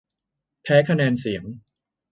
แพ้คะแนนเสียง